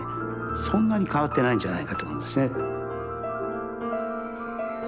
そんなに変わってないんじゃないかと思うんですね。